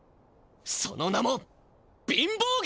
その名も貧乏神！